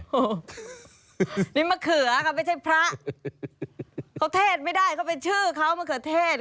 โอ้โหนี่มะเขือค่ะไม่ใช่พระเขาเทศไม่ได้เขาเป็นชื่อเขามะเขือเทศ